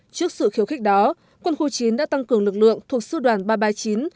trước sự khiêu khích đó quân khu chín đã tăng cường lực lượng thuộc sư đoàn ba trăm ba mươi chín